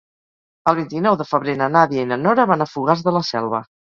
El vint-i-nou de febrer na Nàdia i na Nora van a Fogars de la Selva.